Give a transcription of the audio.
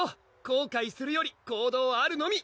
後悔するより行動あるのみ！